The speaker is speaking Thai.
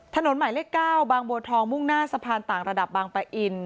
ถนนหมายเลข๙บางบัวทองมุ่งหน้าสะพานต่างระดับบางปะอิน